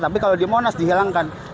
tapi kalau di monas dihilangkan